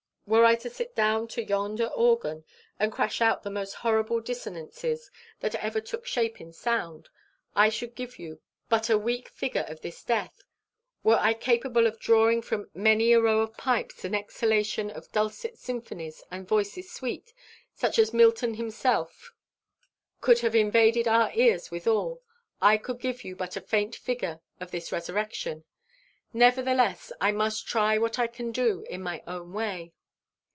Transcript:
Were I to sit down to yonder organ, and crash out the most horrible dissonances that ever took shape in sound, I should give you but a weak figure of this death; were I capable of drawing from many a row of pipes an exhalation of dulcet symphonies and voices sweet, such as Milton himself could have invaded our ears withal, I could give you but a faint figure of this resurrection. Nevertheless, I must try what I can do in my own way.